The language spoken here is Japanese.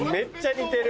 似てる。